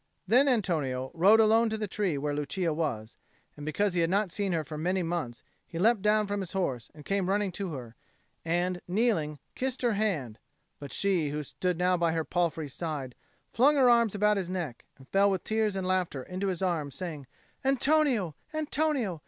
Then Antonio rode alone to the tree where Lucia was; and because he had not seen her for many months, he leapt down from his horse and came running to her, and, kneeling, kissed her hand; but she, who stood now by her palfrey's side, flung her arms about his neck and fell with tears and laughter into his arms, saying, "Antonio, Antonio!